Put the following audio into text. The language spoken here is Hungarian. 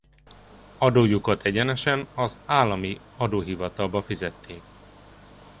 Adójukat egyenesen az állami adóhivatalba fizették.